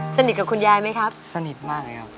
สนิทกับคุณยายไหมครับสนิทมากเลยครับ